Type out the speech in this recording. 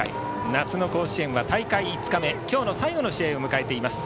夏の甲子園は大会５日目今日の最後の試合を迎えています。